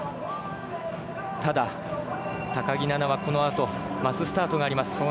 ただ、高木菜那はこのあとマススタートがあります。